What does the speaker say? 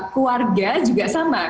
keluarga juga sama